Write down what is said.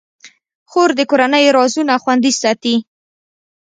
خور د کورنۍ رازونه خوندي ساتي.